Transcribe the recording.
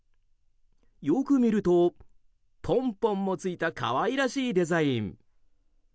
よく見ると、ポンポンもついた可愛らしいデザイン。